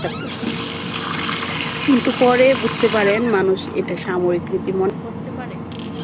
কিন্তু পরে বুঝতে পারেন, মানুষ এটা সামরিক রীতি মনে করতে পারে।